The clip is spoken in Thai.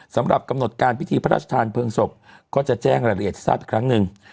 สำหรับกำหนดการพิธีพระราชทานเพลิงศพก็จะแจ้งรายละเอียดทราบอีกครั้งหนึ่ง